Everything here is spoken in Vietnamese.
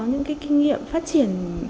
những cái kinh nghiệm phát triển